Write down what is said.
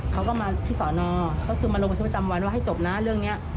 เขาก็มากรบฉุดประจำวันว่าให้จบน่ะเรื่องนี้